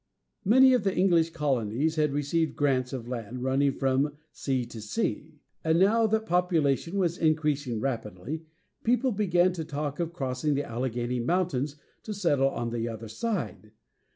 Many of the English colonies had received grants of land running "from sea to sea," and now that population was increasing rapidly, people began to talk of crossing the Alleghany Mountains to settle on the other side.